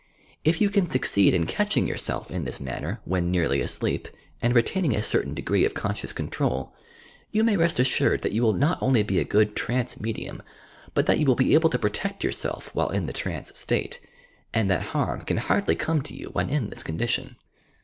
If you can succeed in catching yourself in this man ner, when nearly asleep, and retaining a certain degree of conscious control, you may rest assured that you will not only be a good trance medium, but that you will be able to protect yourself while in the trance state, and that harm can hardly come to you when in this condition.